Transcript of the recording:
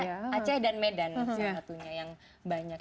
iya aceh dan medan salah satunya